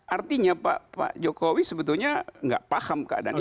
artinya pak jokowi sebetulnya nggak paham keadaan itu